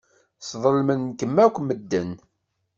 Sḍelmen-kem akk medden.